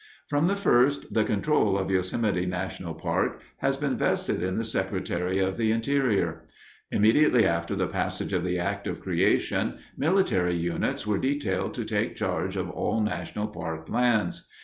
From the first the control of Yosemite National Park has been vested in the Secretary of the Interior. Immediately after the passage of the act of creation, military units were detailed to take charge of all national park lands.